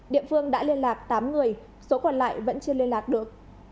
địa phương đã liên lạc tám người số còn lại vẫn chưa liên lạc được